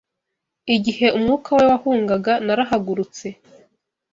Igihe umwuka we wahungaga, narahagurutse